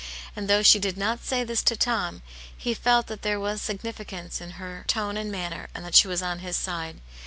And though she did not say this to Tom, he felt that there was significance in her tone and manner, and that she was on his side.